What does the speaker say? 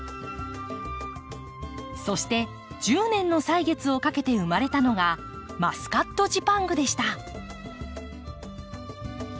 そして１０年の歳月をかけて生まれたのがマスカットジパングでした。